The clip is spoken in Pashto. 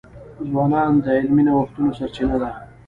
ځوانان د علمي نوښتونو سرچینه ده.